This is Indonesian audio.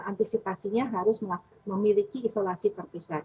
maka antisipasinya harus memiliki isolasi perpusat